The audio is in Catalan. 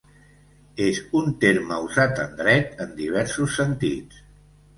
És un terme usat en dret en diversos sentits.